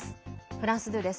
フランス２です。